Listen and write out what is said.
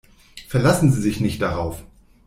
Verlassen Sie sich nicht darauf.